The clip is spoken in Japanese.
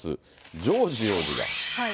ジョージ王子が。